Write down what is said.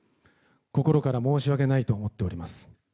心から申し訳ないと思っております。